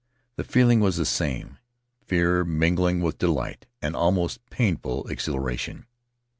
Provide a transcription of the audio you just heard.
The feeling was the same — fear mingling with delight, an almost painful exhilaration.